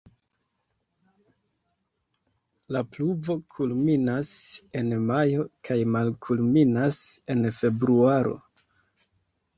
La pluvo kulminas en majo kaj malkulminas en februaro.